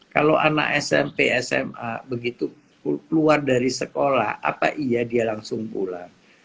kalau anak smp sma begitu keluar dari sekolah apa iya dia langsung pulang